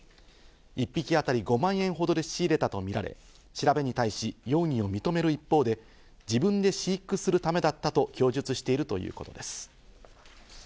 １匹当たり５万円ほどで仕入れたとみられ、調べに対し、容疑を認める一方で自分で飼育するためだったと供述しているということです。